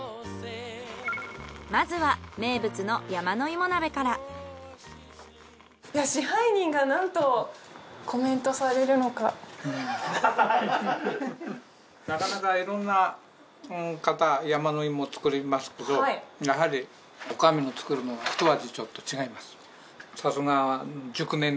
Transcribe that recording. まずは名物のなかなかいろんな方山の芋作りますけどやはり女将の作るのはひと味ちょっと違います。